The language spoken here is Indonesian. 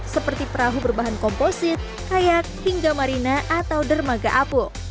seperti perahu berbahan komposit kayak hingga marina atau dermaga apu